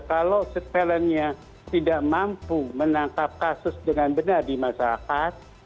kalau surveillance nya tidak mampu menangkap kasus dengan benar di masyarakat